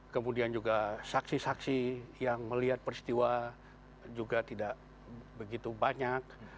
kemudian juga saksi saksi yang melihat peristiwa juga tidak begitu banyak